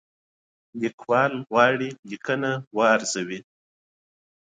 لیکوال غواړي لیکنه وارزوي.